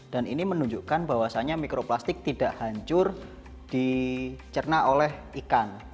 dan ini menunjukkan bahwasannya mikroplastik tidak hancur dicerna oleh ikan